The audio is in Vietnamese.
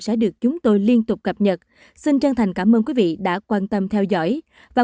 sẽ được chúng tôi liên tục cập nhật xin chân thành cảm ơn quý vị đã quan tâm theo dõi và